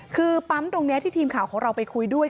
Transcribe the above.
คือปั๊มตรงนี้ที่ทีมข่าวของเราไปคุยด้วย